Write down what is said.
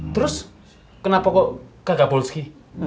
terus kenapa kok kagak bolski